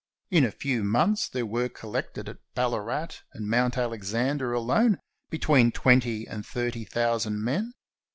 In a few months there were collected at Ballarat and Mount Alexander alone be tween twenty and thirty thousand men.